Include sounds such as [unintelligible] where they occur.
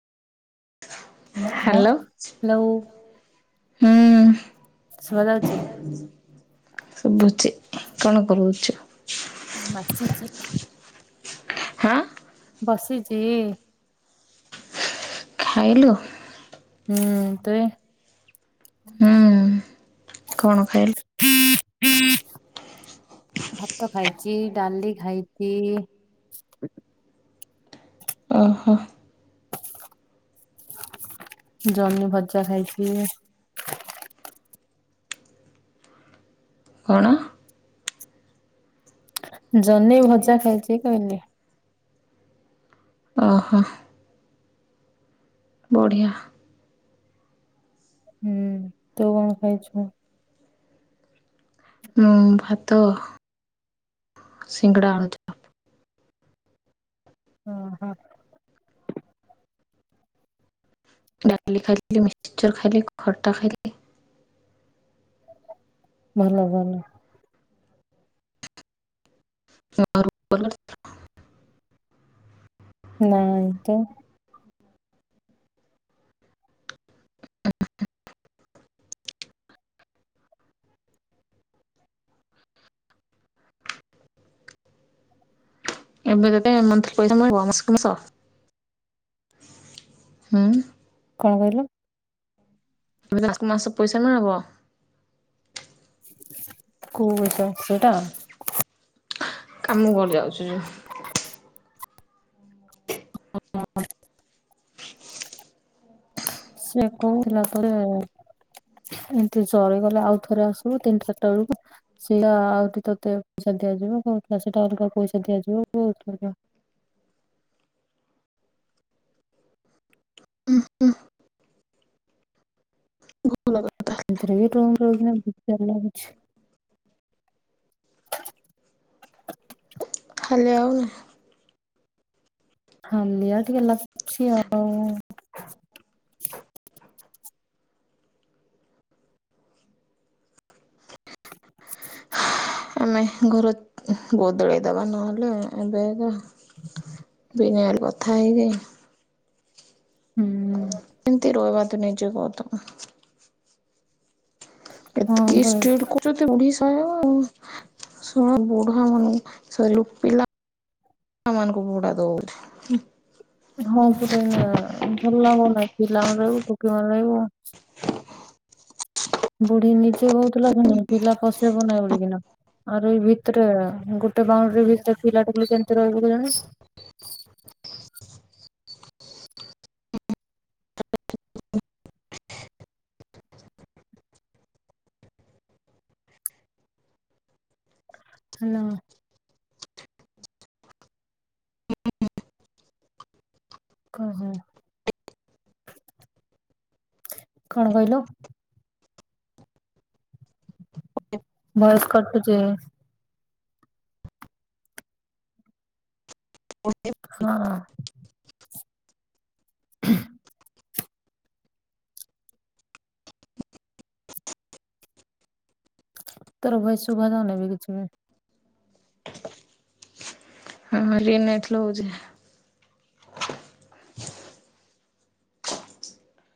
Hello hello hello. ହୁଁ ଶୁଭା ଯାଉଚି? ଶୁଭୁଚି କଣ କରୁଚ? ମାରଚ ଚିକ୍ ହାଁ? ବସିଚି। ଖାଇଲୁ? ହୁଁ ତୁମେ ହୁଁ କଣ ଖାଇଲ? ଭାତ ଖାଇଚି, ଡାଲି ଖାଇଚି ଓହୋ। ଜହ୍ନି ଭଜା ଖାଇଚି। କଣ? ଜହ୍ନି ଭଜା ଖାଇଚି କହିଲି। ଓହୋ। ବଢିଆ। ହୁଁ। ତୁ କଣ ଖାଇଛୁ? ମୁଁ ଭାତ। ସିଙ୍ଗଡ଼ା, ଆଳୁ ଓହୋ। ଡାଲି ଖାଇଲି, ମିକ୍ସଚର ଖାଇଲି, ଖଟା ଖାଇଲି। ଭଲ ଭଲ। ମୁଁ ଘରକୁ ଗଲେ ନାଇଁ ତ। ଏବେ ତତେ ମନ୍ଥଲି ପଇସା ମିଲିବ ମାସ୍ କୁ ମାସ? କଣ କହିଲ? ମାସ କୁ ମାସ ପଇସା ମିଳିବ? କୋଉ [unintelligible] ସେଇଟା? କାମ କରି ଯାଉଛୁ ଯେ ହ [unintelligible] ସେ କହୁଥିଲା ଥରେ ଏମତି ଚଳି ଗଲେ ଆଉ ଥରେ ଆସିବୁ ତିନି ଚାରିଟା ବେଳକୁ ସେଇଟା ଆହୁରି ତୋତେ ପଇସା ଦିଆଯିବ କହୁଥିଲା, ସେଇଟା ଅଲଗା ପଇସା ଦିଆଯିବ କହୁଉଥିଲା। ହୁଁ ହୁଁ। [unintelligible] [unintelligible] ଖାଲି ଆଉନୁ ହାଲିଆ ଟିକେ ଲାଗୁଛି ଆଉ ହୁଁ। ଆମେ ଘର ବଦଳାଇ ଦେବା ନହେଲେ ଏବେ ଆକା। ଏବେ ଯାଇଁ ହେଲେ କଥା ହେଇଯାଇ ହୁଁ କେମିତି ରହିବା ତୁ ନିଜେ କହ ତ? ହଁ ଏତିକି ପରା ଷ୍ଟ୍ରିକଟ୍ କରୁଛନ୍ତି [unintelligible] [unintelligible] ହଁ ପୁରା ଭଲ ଲାଗୁ ନାହିଁ, ପିଲା ମାନେ ରହିବୁ ଟୁକି ମାନେ ରହିବୁ ବୁଢୀ ନିଜେ କହୁଥିଲା କି ପିଲା ପଶେଇବୁ ନାହିଁ ବଳିକିନା। ଆଉ ଏଇ ଭିତରେ ଗୋଟେ ବାଉଣ୍ଡରି ଭିତରେ ପିଲା ଟୁକଲି କେମିତି ରହିବେ କେଜାଣି? ହ୍ୟାଲୋ କହ, କଣ କହିଲୁ? ଭଏସ କଟୁଛି। [unintelligible] ହଁ। [unintelligible] ତୋର ଭଏସ୍ ଶୁଭା ଯାଉନି ଏବେ କିଛି ବି। [unintelligible]